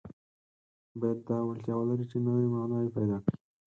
باید دا وړتیا ولري چې نوي معناوې پیدا کړي.